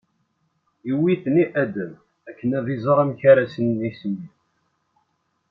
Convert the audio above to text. iwwi-ten i Adam akken ad iẓer amek ara sen-isemmi.